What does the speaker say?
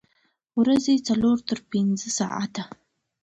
ورځې څلور تر پنځه ساعته